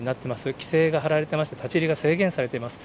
規制が張られてまして、立ち入りが制限されています。